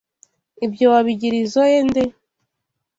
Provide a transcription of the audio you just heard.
Ibyo wabigirizoe nde?